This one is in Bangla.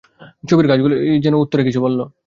ছবির গাছগুলি যেন উত্তরে কিছু বলল।